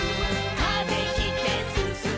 「風切ってすすもう」